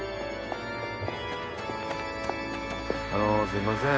あのすいません。